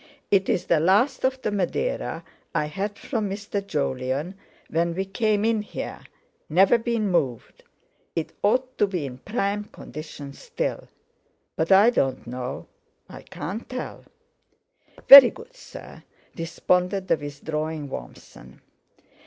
It's the last of the Madeira I had from Mr. Jolyon when we came in here—never been moved; it ought to be in prime condition still; but I don't know, I can't tell." "Very good, sir," responded the withdrawing Warmson.